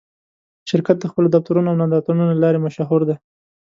شرکت د خپلو دفترونو او نندارتونونو له لارې مشهور دی.